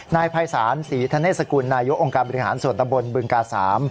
นายภัยศาลศรีธเนศกุลนายกองค์การบริหารส่วนตำบลบึงกา๓